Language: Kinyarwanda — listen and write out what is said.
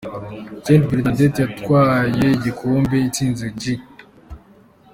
St Bernadette yatwaye igikombe itsinze G.